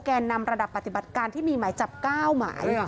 แก่นำระดับปฏิบัติการที่มีหมายจับ๙หมาย